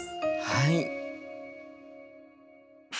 はい！